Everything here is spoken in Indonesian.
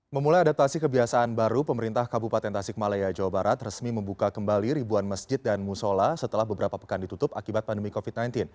memulai adaptasi kebiasaan baru pemerintah kabupaten tasikmalaya jawa barat resmi membuka kembali ribuan masjid dan musola setelah beberapa pekan ditutup akibat pandemi covid sembilan belas